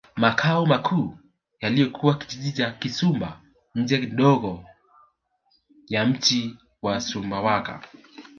Makao makuu yalikuwa Kijiji cha Kisumba nje kidogo ya mji wa Sumbawanga